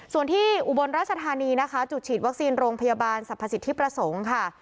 ส่วนที่อุบลราชธานีนะคะจุดฉีดวัคซีนโรงพยาบาลสรรพสิทธิประสงค์ค่ะ